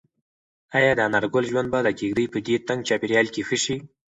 ایا د انارګل ژوند به د کيږدۍ په دې تنګ چاپیریال کې ښه شي؟